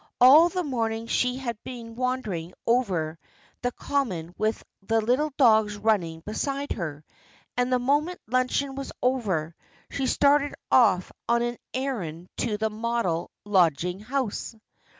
All the morning she had been wandering over the common with the little dogs running beside her, and the moment luncheon was over she started off on an errand to the Model Lodging house.